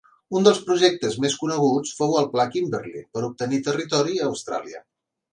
Un dels projectes més coneguts fou el Pla Kimberley, per obtenir territori a Austràlia.